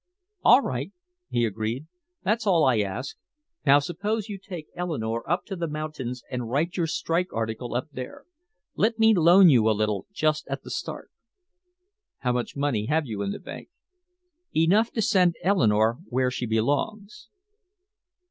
"All right," he agreed. "That's all I ask. Now suppose you take Eleanore up to the mountains and write your strike article up there. Let me loan you a little just at the start." "How much money have you in the bank?" "Enough to send Eleanore where she belongs."